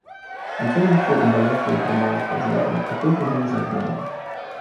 Удзельнічаў у баях за ўтрыманне плацдарма, у той жа дзень загінуў.